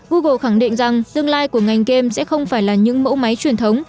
google khẳng định rằng tương lai của ngành game sẽ không phải là những mẫu máy truyền thống